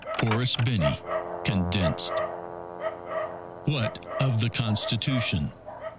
Horace Binney (Condensed) WHAT OF THE CONSTITUTION?